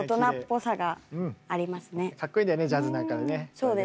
そうですね